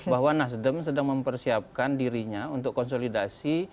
bahwa nasdem sedang mempersiapkan dirinya untuk konsolidasi